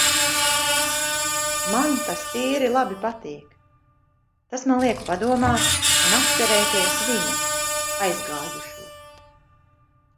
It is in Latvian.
Man tas tīri labi patīk. Tas man liek padomāt un atcerēties viņu - aizgājušo.